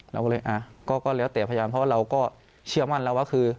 เราก็เลยอ่ะก็แล้วแต่พยานเพราะว่าเราก็เชื่อมั่นแล้วว่าคือ